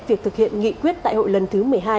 việc thực hiện nghị quyết đại hội lần thứ một mươi hai